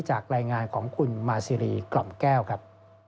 จากรายงานของคุณมาซีรีกล่อมแก้วครับ